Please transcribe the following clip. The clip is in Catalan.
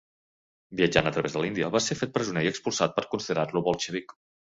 Viatjant a través de l'Índia, va ser fet presoner i expulsat per considerar-lo bolxevic.